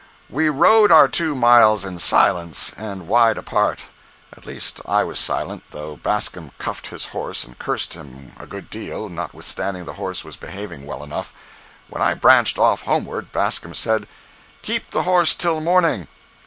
We rode our two miles in silence, and wide apart. At least I was silent, though Bascom cuffed his horse and cursed him a good deal, notwithstanding the horse was behaving well enough. When I branched off homeward, Bascom said: "Keep the horse till morning.